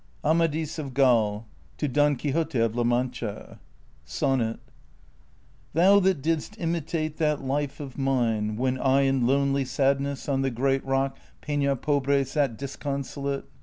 AMADIS OF GAUL TO DON QUIXOTE OF LA MA^"CHA. SONNET. Thou that didst imitate that life of mine,' When I in lonely sadness on the great Rock Peiia Pobre sat disconsolate.